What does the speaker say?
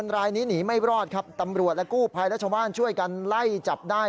แล้วชาวบ้านช่วยกันไล่จับได้